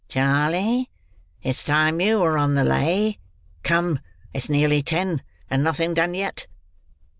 Charley! It's time you were on the lay. Come! It's near ten, and nothing done yet."